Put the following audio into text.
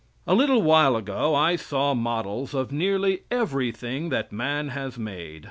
A little while ago I saw models of nearly everything that man has made.